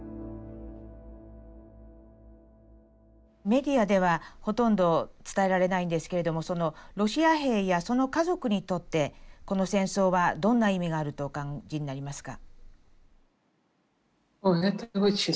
メディアではほとんど伝えられないんですけれどもロシア兵やその家族にとってこの戦争はどんな意味があるとお感じになりますか？